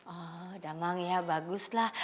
oh damang ya baguslah